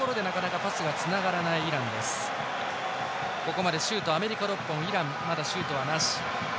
ここまでシュート、アメリカ６本イラン、シュートはまだなし。